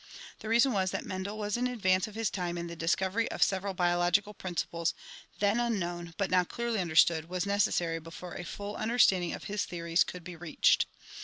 The reason was that Mendel was in advance of his time and the discovery of several biological principles then un known, but now clearly understood, was necessary before a full understanding of his theories could be reached.